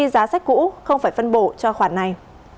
giá sách cũ không phải phân bổ cho khoản này